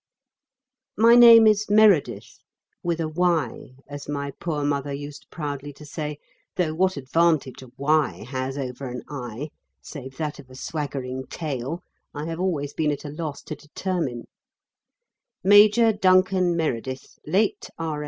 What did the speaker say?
My name is Meredyth, with a "Y," as my poor mother used proudly to say, though what advantage a "Y" has over an "I," save that of a swaggering tail, I have always been at a loss to determine; Major Duncan Meredyth, late R.